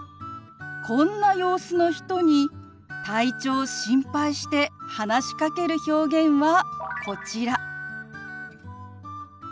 こんな様子の人に体調を心配して話しかける表現はこちら。